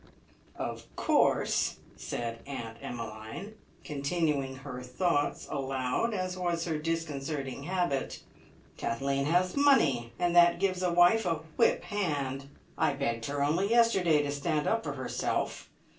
"Of course," said Aunt Emmeline, continuing her thoughts aloud, as was her disconcerting habit, "Kathleen has money, and that gives a wife a whip hand. I begged her only yesterday to stand up for herself.